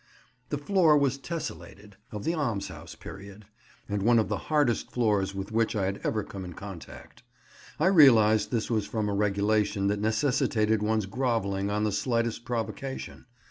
The floor was tesselated (of the alms house period), and one of the hardest floors with which I had ever come in contact. I realized this from a regulation that necessitated one's grovelling on the slightest provocation.